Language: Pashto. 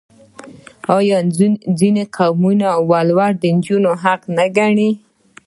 آیا ځینې قومونه ولور د نجلۍ حق نه ګڼي؟